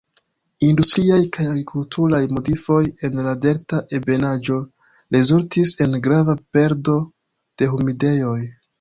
Industriaj kaj agrikulturaj modifoj en la delta ebenaĵo rezultis en grava perdo de humidejoj.